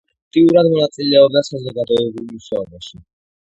აქტიურად მონაწილეობდა საზოგადოებრივ მუშაობაში.